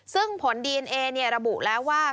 ซึ่งผลดีเอนเอระบุแล้วว่า